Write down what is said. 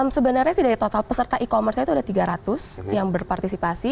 sebenarnya sih dari total peserta e commerce itu ada tiga ratus yang berpartisipasi